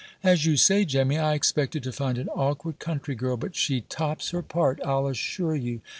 "As you say. Jemmy, I expected to find an awkward country girl, but she tops her part, I'll assure you!